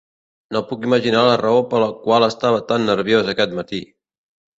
No puc imaginar la raó per la qual estava tan nerviós aquest matí.